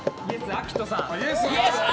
アキトさん。